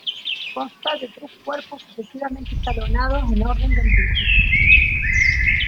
Consta de tres cuerpos, sucesivamente escalonados en orden de antigüedad.